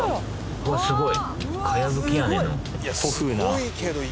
うわすごい。